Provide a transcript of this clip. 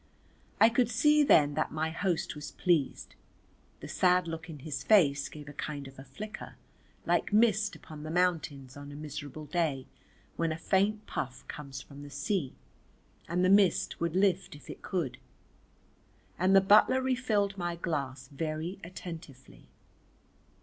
I could see then that my host was pleased, the sad look in his face gave a kind of a flicker, like mist upon the mountains on a miserable day when a faint puff comes from the sea and the mist would lift if it could. And the butler refilled my glass very attentively.